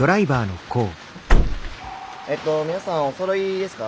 えっと皆さんおそろいですか？